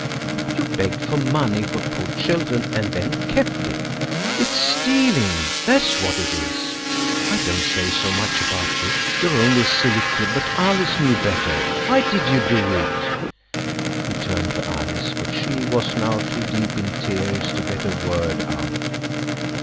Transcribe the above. "You begged for money for poor children, and then kept it. It's stealing, that's what it is. I don't say so much about you–you're only a silly kid–but Alice knew better. Why did you do it?" He turned to Alice, but she was now too deep in tears to get a word out.